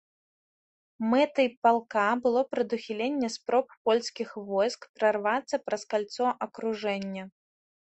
Мэтай палка было прадухіленне спроб польскіх войск прарвацца праз кальцо акружэння.